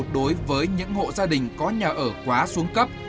đối với những hộ gia đình có nhà ở quá xuống cấp